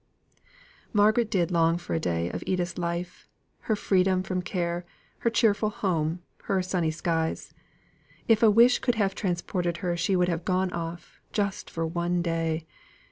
Margaret did long for a day of Edith's life her freedom from care, her cheerful home, her sunny skies. If a wish could have transported her, she would have gone off; just for one day.